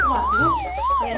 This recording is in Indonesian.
ya dong pergi